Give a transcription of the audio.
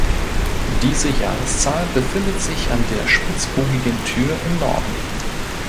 Diese Jahreszahl befindet sich an der spitzbogigen Tür im Norden.